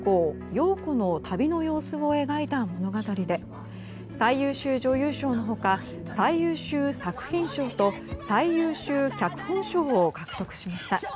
・陽子の旅の様子を描いた物語で最優秀女優賞の他最優秀作品賞と最優秀脚本賞を獲得しました。